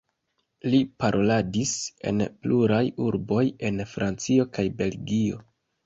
Li paroladis en pluraj urboj en Francio kaj Belgio.